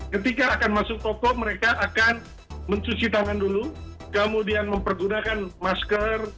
ketika akan masuk toko mereka akan mencuci tangan dulu kemudian mempergunakan masker